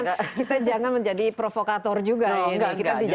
kita jangan menjadi provokator juga ini